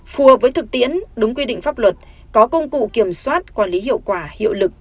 phù hợp với thực tiễn đúng quy định pháp luật có công cụ kiểm soát quản lý hiệu quả hiệu lực